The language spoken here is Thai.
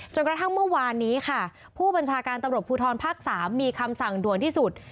กระทั่งเมื่อวานนี้ค่ะผู้บัญชาการตำรวจภูทรภาค๓มีคำสั่งด่วนที่สุด